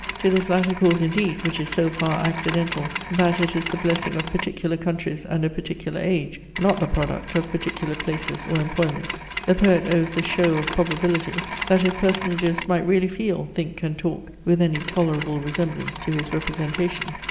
To this latter cause, indeed, which is so far accidental, that it is the blessing of particular countries and a particular age, not the product of particular places or employments, the poet owes the show of probability, that his personages might really feel, think, and talk with any tolerable resemblance to his representation.